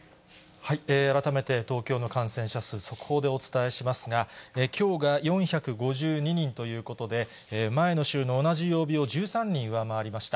改めて東京の感染者数、速報でお伝えしますが、きょうが４５２人ということで、前の週の同じ曜日を１３人上回りました。